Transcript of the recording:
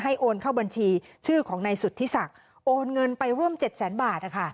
โอนเข้าบัญชีชื่อของนายสุธิศักดิ์โอนเงินไปร่วม๗แสนบาท